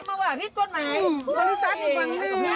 บริษัทนี่คือบางหนึ่ง